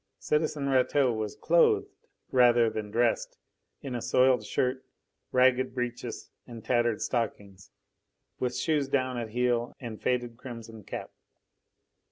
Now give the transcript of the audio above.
Citizen Rateau was clothed, rather than dressed, in a soiled shirt, ragged breeches and tattered stockings, with shoes down at heel and faded crimson cap.